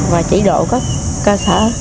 và chỉ độ các ca sở